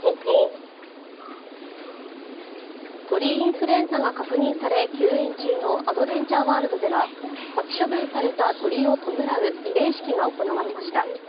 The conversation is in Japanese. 鳥インフルエンザが確認され休園中のアドベンチャーワールドでは殺処分された鳥を弔う慰霊式が行われました。